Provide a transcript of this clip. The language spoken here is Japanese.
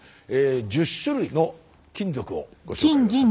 １０種類の金属をご紹介をさせて頂きます。